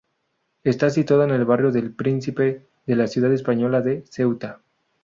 Está situada en el barrio del Príncipe de la ciudad española de Ceuta.